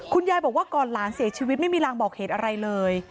คุณยายบอกว่าก่อนหลานเสียชีวิตไม่มีรางบอกเหตุอะไรเลย